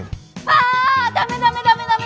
あダメダメダメダメダメ！